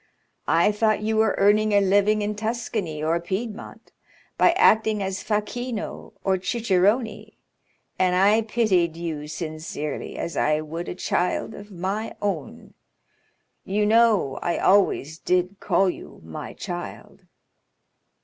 I thought you were earning a living in Tuscany or Piedmont by acting as facchino or cicerone, and I pitied you sincerely, as I would a child of my own. You know I always did call you my child."